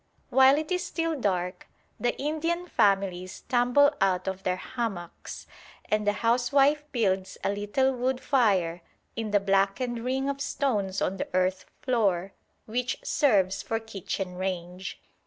While it is still dark the Indian families tumble out of their hammocks, and the housewife builds a little wood fire in the blackened ring of stones on the earth floor which serves for kitchen range.